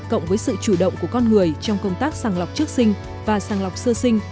cộng với sự chủ động của con người trong công tác sàng lọc trước sinh và sàng lọc sơ sinh